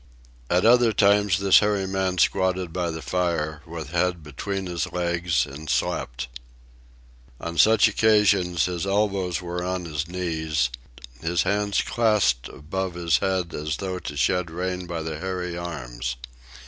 At other times this hairy man squatted by the fire with head between his legs and slept. On such occasions his elbows were on his knees, his hands clasped above his head as though to shed rain by the hairy arms.